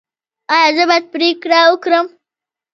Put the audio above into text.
ایا زه باید پریکړه وکړم؟